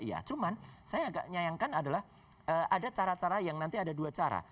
ya cuman saya agak nyayangkan adalah ada cara cara yang nanti ada dua cara